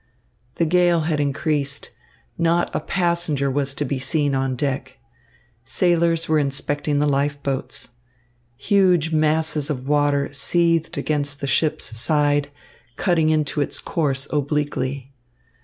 The gale had increased. Not a passenger was to be seen on deck. Sailors were inspecting the life boats. Huge masses of water seethed against the ship's side, cutting into its course obliquely.